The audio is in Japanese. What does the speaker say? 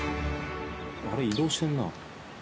あれ、移動してんな。